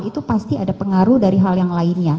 itu pasti ada pengaruh dari hal yang lainnya